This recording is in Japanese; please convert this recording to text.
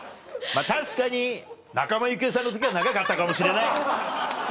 確かに仲間由紀恵さんの時は長かったかもしれない。